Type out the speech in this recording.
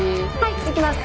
行きます。